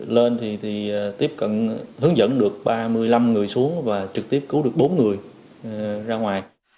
lên thì tiếp cận hướng dẫn được ba mươi năm người xuống và trực tiếp cứu được bốn người ra ngoài